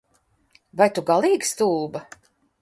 Vai tu galīgi stulba?